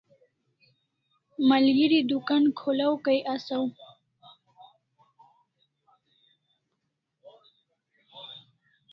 Malgeri dukan kholaw Kai asaw